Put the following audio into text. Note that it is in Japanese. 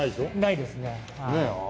ないですねはい。